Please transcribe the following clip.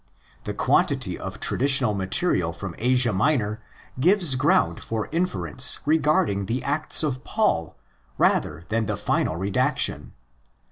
The quantity of traditional material from Asia Minor gives ground for inference regarding the Acts of Paul rather than the final redaction.